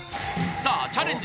さあチャレンジ